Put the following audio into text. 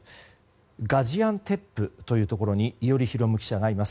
ガジアンテップというところに伊従啓記者がいます。